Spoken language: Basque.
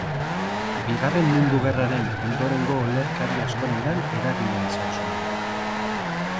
Bigarren Mundu Gerraren ondorengo olerkari askorengan eragina izan zuen.